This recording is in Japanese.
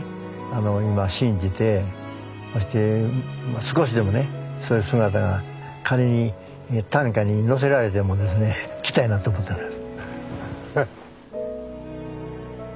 今信じてそして少しでもねそういう姿が仮に担架に乗せられてもですね来たいなと思ってます。